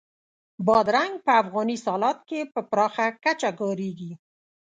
بادرنګ په افغاني سالاد کې په پراخه کچه کارېږي.